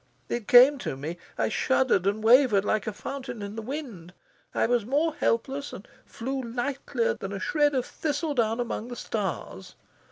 It came to me. I shuddered and wavered like a fountain in the wind. I was more helpless and flew lightlier than a shred of thistledown among the stars.